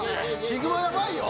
ヒグマやばいよ！